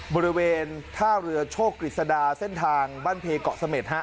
บริเวณท่าเรือโชคกฤษดาเส้นทางบ้านเพเกาะเสม็ดฮะ